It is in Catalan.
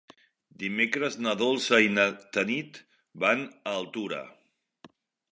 Dimecres na Dolça i na Tanit van a Altura.